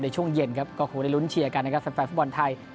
ในช่วงเย็นครับก็คงได้ลุ้นเชียร์กันนะครับแฟนฟุตบอลไทย